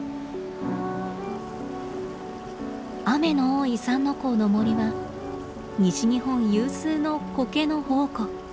雨の多い三之公の森は西日本有数のコケの宝庫。